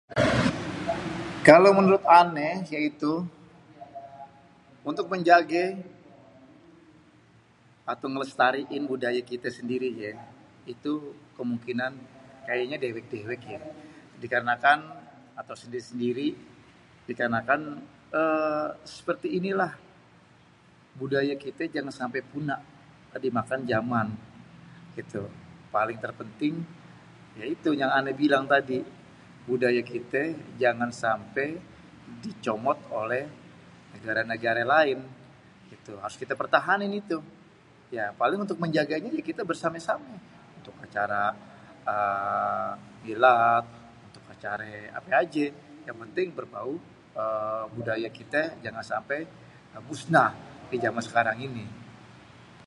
Kalau menurut ane ya itu untuk menjage atau ngelestariin budaye kite sendiri ye, itu kemungkinan kayenye dewek-dewek ya atau sendiri-sendiri. Dikarenakan 'eee' seperti ini lah budaye kite jangan sampe punah kemakan zaman paling terpenting itu yang ane bilang tadi budaye kite jangan sampe di comot oleh negara-negara lain gitu harus kita pertahanin itu. Ya paling untuk menjaganya kita bersame-same 'eee' kita cari ape aje yang penting berbau 'eee' budaye kite jangan sampe musnah di zaman sekarang ini.